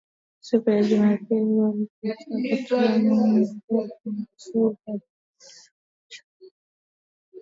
siku ya Jumapili walikataa kutoa maoni kuhusu marufuku kwa chama cha huko Marondera